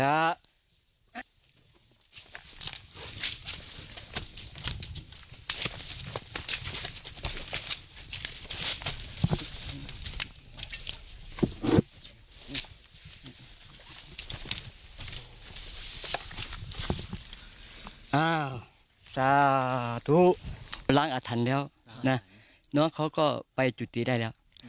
อ้าวสาธุไปล้างอาถรรพ์แล้วนะน้องเขาก็ไปจุดนี้ได้แล้ว